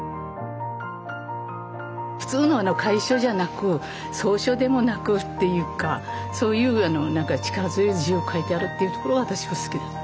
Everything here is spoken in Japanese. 普通の楷書じゃなく草書でもなくっていうかそういうなんか力強い字を書いてあるっていうところが私は好きだった。